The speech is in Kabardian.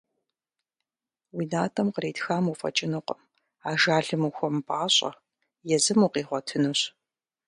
Уи натӀэм къритхам уфӀэкӀынукъым, ажалым ухуэмыпӀащӀэ, езым укъигъуэтынущ.